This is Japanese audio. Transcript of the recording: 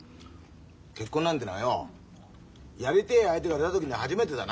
結婚なんてのはよやりてえ相手がいた時に初めてだな。